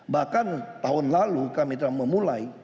bahkan tahun lalu kami telah memulai